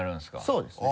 そうですね。